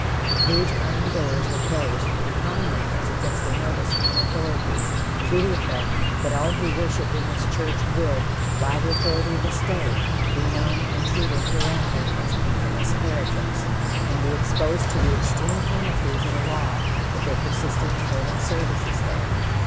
The huge iron doors were closed, and upon them was affixed a notice from the authorities, to the effect that all who worshiped in this church would, by the authority of the state, be known and treated hereafter as "infamous heretics," and be exposed to the extreme penalty of the law if they persisted in holding services there.